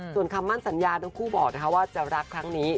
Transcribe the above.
ส่วนคำมั่นสัญญาทั้งคู่บอกว่าจะรักครั้งนี้